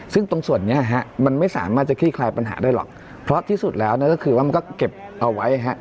ซึ่งตรงส่วนนี้มันไม่สามารถจะคลี่คลายปัญหาได้หรอกเพราะที่สุดแล้วเนี่ยก็คือว่ามันก็เก็บเอาไว้ฮะ